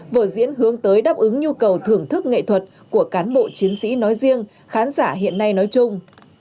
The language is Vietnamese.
vở diễn hướng tới đáp ứng nhu cầu thưởng thức nghệ thuật của cán bộ chiến sĩ nói riêng khán giả hiện nay nói chung